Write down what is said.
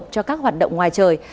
cho các hoạt động ngoài trời